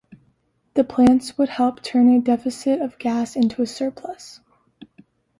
The plants would help turn a deficit of gas into a "surplus".